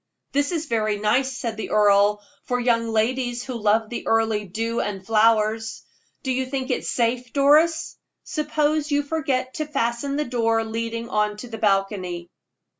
"That is very nice," said the earl, "for young ladies who love the early dew and the flowers. Do you think it safe, Doris? Suppose you forgot to fasten the door leading on to the balcony?"